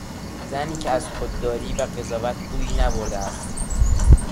زنی که از خودداری و قضاوت بویی نبرده است